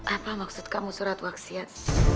apa maksud kamu surat waksiat